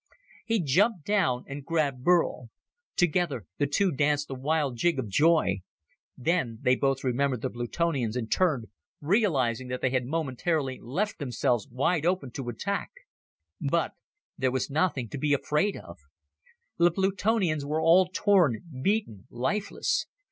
He jumped down and grabbed Burl. Together, the two danced a wild jig of joy. Then they both remembered the Plutonians and turned, realizing that they had momentarily left themselves wide open to attack. But there was nothing to be afraid of. The Plutonians were all torn, beaten, lifeless.